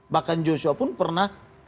bahkan joshua pun pernah